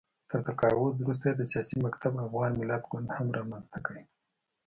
تر تقاعد وروسته یې د سیاسي مکتب افغان ملت ګوند هم رامنځته کړ